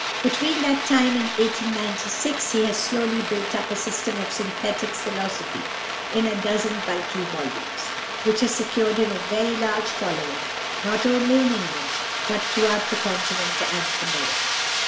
Between that time and 1896 he has slowly built up a system of synthetic philosophy, in a dozen bulky volumes, which has secured him a very large following not only in England, but throughout the Continent and America.